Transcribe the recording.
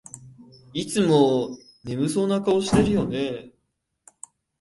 いつも眠そうな顔してるよね